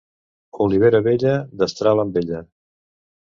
Olivera vella, destral amb ella.